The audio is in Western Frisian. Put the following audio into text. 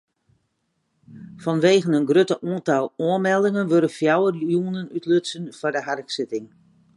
Fanwegen it grutte tal oanmeldingen wurde fjouwer jûnen útlutsen foar de harksitting.